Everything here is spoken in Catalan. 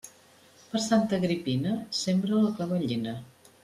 Per Santa Agripina, sembra la clavellina.